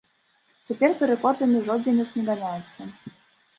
Цяпер за рэкордамі жодзінец не ганяецца.